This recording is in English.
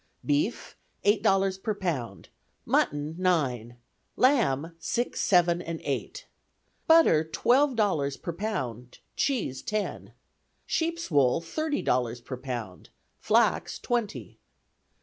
Beef, eight dollars per pound; mutton, nine; lamb, six, seven, and eight. Butter, twelve dollars per pound; cheese, ten. Sheep's wool, thirty dollars per pound; flax, twenty.